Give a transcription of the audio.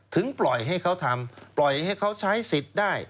ถึงปล่อยให้เขาทำปล่อยให้เขาใช้สิทธิ์ได้